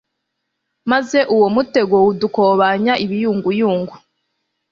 maze uwo mutego udukobanya ibiyunguyungu